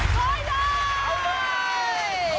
โทษเลยโทษเลย